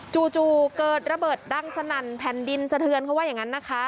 จู่เกิดระเบิดดังสนั่นแผ่นดินสะเทือนเขาว่าอย่างนั้นนะคะ